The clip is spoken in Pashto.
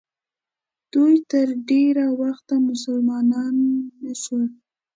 دوی تر ډېره وخته مسلمانان نه شول.